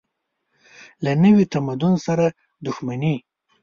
له نوي تمدن سره دښمني.